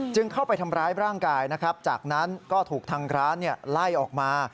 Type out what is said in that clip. เข้าไปทำร้ายร่างกายนะครับจากนั้นก็ถูกทางร้านไล่ออกมา